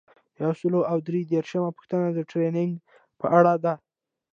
یو سل او درې دیرشمه پوښتنه د ټریننګ په اړه ده.